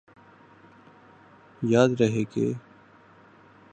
یاد رہے کہ